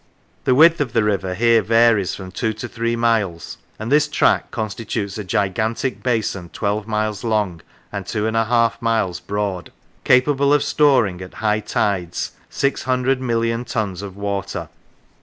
The width of the river here varies from two to three miles, and this track constitutes a gigantic basin twelve miles long and two and a half miles broad, capable of storing at high tides 600,000,000 tons of water.